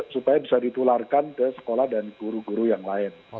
supaya bisa ditularkan ke sekolah dan guru guru yang lain